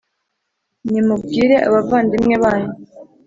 Nimubwire abavandimwe banyu